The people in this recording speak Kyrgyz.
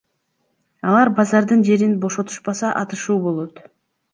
Алар базардын жерин бошотушпаса атышуу болот.